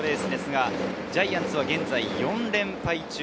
ジャイアンツは現在４連敗中。